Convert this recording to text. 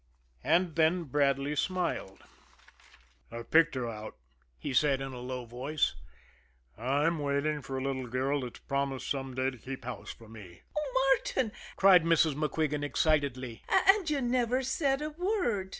And then Bradley smiled. "I've picked her out," he said, in a low voice. "I'm waiting for a little girl that's promised some day to keep house for me." "Oh, Martin!" cried Mrs. MacQuigan excitedly. "And and you never said a word!"